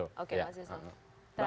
oke oke mas yusof terakhir